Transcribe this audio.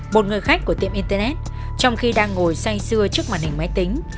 một người khách của tiệm internet trong khi đang ngồi say sưa trước mặt hình máy tính